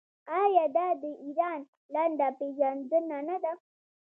آیا دا د ایران لنډه پیژندنه نه ده؟